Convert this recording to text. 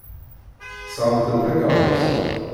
Sɣant-d takeṛṛust.